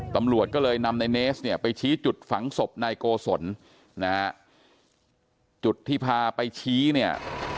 ตำรวจก็เลยนำในเนสเนี่ยไปชี้จุดฝังศพนายโกศลนะฮะจุดที่พาไปชี้เนี่ย